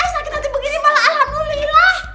sakit hati begini malah alhamdulillah